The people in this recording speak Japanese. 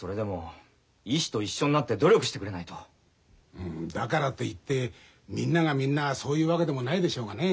うんだからと言ってみんながみんなそういうわけでもないでしょうがねえ。